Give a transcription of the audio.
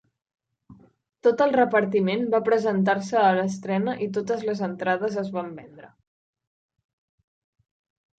Tot el repartiment va presentar-se a l'estrena i totes les entrades es van vendre.